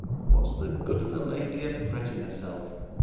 Wot's the good of the lady a fretting herself?